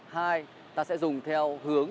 hai ta sẽ dùng theo hướng